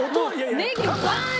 ネギバーン！